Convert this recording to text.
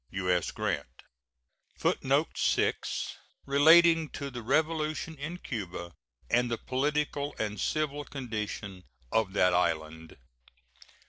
U.S. GRANT. [Footnote 6: Relating to the revolution in Cuba and the political and civil condition of that island.